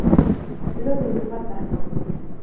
زړه د حکمت نښه ده.